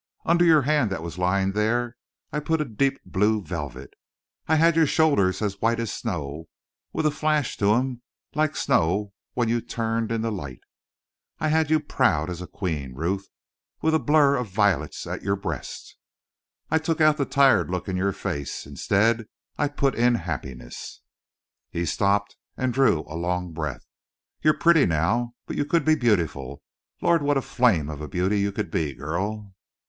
Under your hand that was lying there I put a deep blue velvet; I had your shoulders as white as snow, with a flash to 'em like snow when you turned in the light; I had you proud as a queen, Ruth, with a blur of violets at your breast. I took out the tired look in your face. Instead, I put in happiness." He stopped and drew a long breath. "You're pretty now, but you could be beautiful. Lord, what a flame of a beauty you could be, girl!"